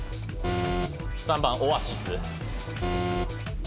３番オアシス。